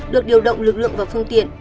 được điều động lực lượng và phương tiện